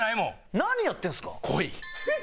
何やってるんですか！